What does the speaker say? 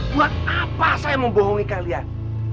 buat apa saya membohongi kalian